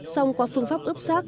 xong qua phương pháp ướp sác